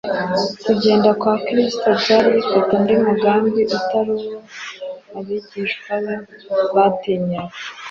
Kugenda kwa Kristo byari bifite undi mugambi utari uwo abigishwa be batinyaga.